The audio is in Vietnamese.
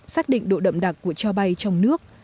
xác định độ đậm đặc của cho bay trong nước